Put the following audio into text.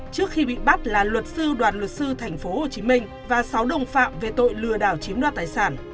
trước khi bị bắt là luật sư đoàn luật sư tp hcm và sáu đồng phạm về tội lừa đảo chiếm đoạt tài sản